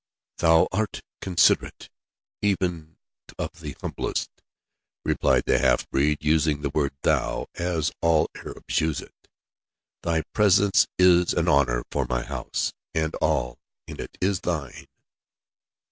"Thou art considerate, even of the humblest," replied the half breed, using the word "thou," as all Arabs use it. "Thy presence is an honour for my house, and all in it is thine."